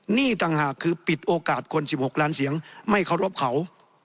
ต่างหากคือปิดโอกาสคน๑๖ล้านเสียงไม่เคารพเขา